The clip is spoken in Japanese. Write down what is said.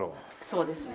そうですね。